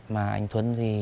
mà anh thuận thì